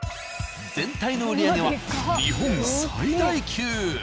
全体の売り上げは日本最大級！